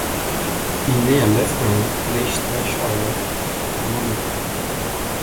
Il naît à Loughborough, Leicestershire, en Angleterre.